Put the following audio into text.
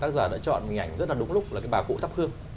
tác giả đã chọn hình ảnh rất là đúng lúc là cái bà cụ thắp hương